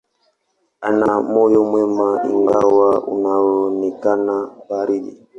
Ana moyo mwema, ingawa unaonekana baridi.